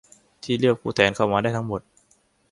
ที่เลือกผู้แทนเข้ามาได้ทั้งหมด